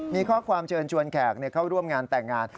มีข้อความเชิญชวนแขกเข้าร่วมงานแต่งงาน